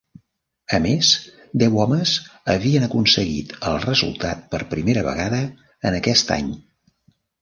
A més, deu homes havien aconseguit el resultat per primera vegada en aquest any.